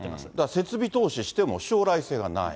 設備投資しても将来性がない。